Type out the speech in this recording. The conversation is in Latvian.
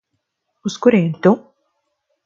Uz kurieni tu?